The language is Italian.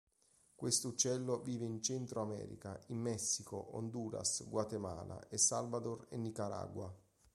Questo uccello vive in Centro America, in Messico, Honduras, Guatemala, El Salvador e Nicaragua.